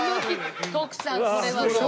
徳さんこれはもう。